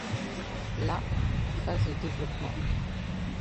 La en phase de développement.